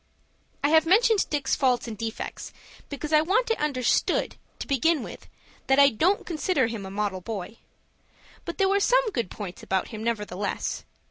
I have mentioned Dick's faults and defects, because I want it understood, to begin with, that I don't consider him a model boy. But there were some good points about him nevertheless.